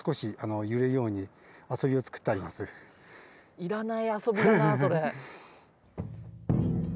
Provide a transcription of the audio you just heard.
要らない遊びだなそれ。